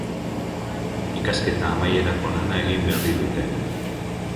Ikasketa amaierako lana egin berri dute.